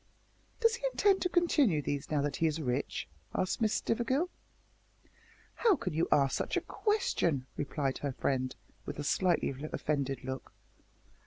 "Does he intend to continue these now that he is rich?" asked Miss Stivergill. "How can you ask such a question?" replied her friend, with a slightly offended look.